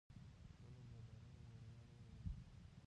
ټولنه په بادارانو او مرئیانو وویشل شوه.